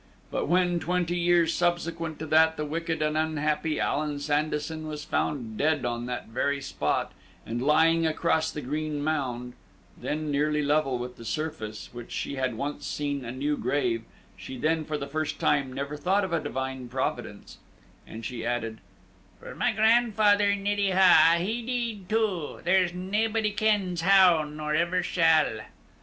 But when, twenty years subsequent to that, the wicked and unhappy Allan Sandison was found dead on that very spot, and lying across the green mound, then nearly level with the surface, which she had once seen a new grave, she then for the first time ever thought of a Divine Providence; and she added, "For my grandfather, Neddy Haw, he dee'd too; there's naebody kens how, nor ever shall."